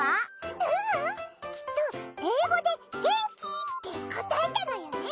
ううんきっとえいごで元気！って答えたのよね！